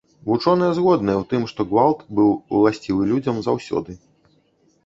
Вучоныя згодныя ў тым, што гвалт быў уласцівы людзям заўсёды.